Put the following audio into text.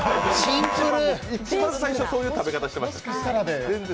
一番最初、そういう食べ方してました。